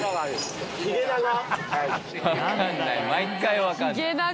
毎回分かんない。